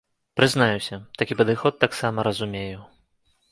Прызнаюся, такі падыход таксама разумею.